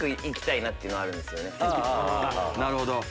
なるほど。